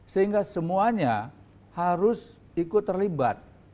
sehingga semuanya harus ikut terlibat